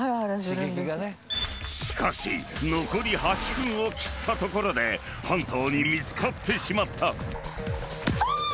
［しかし残り８分を切ったところでハンターに見つかってしまった］